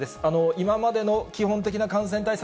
今までの基本的な感染対策